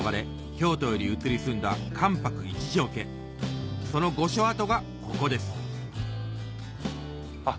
京都より移り住んだ関白一條家その御所跡がここですあっ